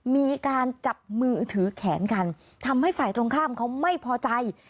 มีการจับมือถือแขนกันทำให้ฝ่ายตรงข้ามเขาไม่พอใจ